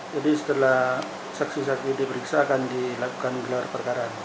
jadi setelah saksi saksi diperiksa akan dilakukan gelar perkara